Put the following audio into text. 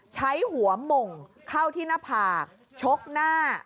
ใช้หัวหม่งเข้าที่หน้าผากชกหน้า